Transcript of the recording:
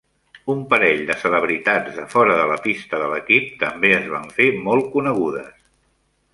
Un parell de celebritats de fora de la pista de l'equip també es van fer molt conegudes.